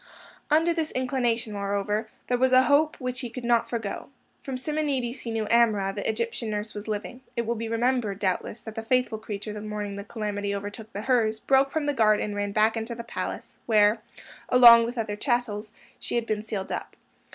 Under this inclination, moreover, there was a hope which he could not forego. From Simonides he knew Amrah, the Egyptian nurse, was living. It will be remembered, doubtless, that the faithful creature, the morning the calamity overtook the Hurs, broke from the guard and ran back into the palace, where, along with other chattels, she had been sealed up.